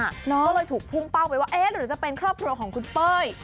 ก็เลยถูกพุ่งเป้าไปว่าเอ๊ะหรือจะเป็นครอบครัวของคุณเป้ย